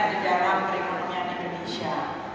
di dalam perekonomian indonesia